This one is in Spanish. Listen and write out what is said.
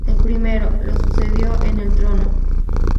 El primero lo sucedió en el trono.